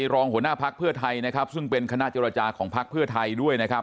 รองหัวหน้าพักเพื่อไทยนะครับซึ่งเป็นคณะเจรจาของพักเพื่อไทยด้วยนะครับ